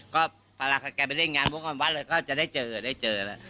ก็เลยก็ไปเล่นงานวงกลางวันเลยก็จะได้เจอแล้ว